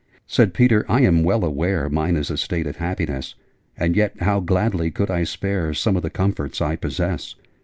Said Peter 'I am well aware Mine is a state of happiness: And yet how gladly could I spare Some of the comforts I possess!